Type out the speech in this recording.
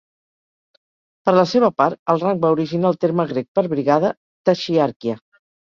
Per la seva part, el rang va originar el terme grec per brigada, "taxiarchia".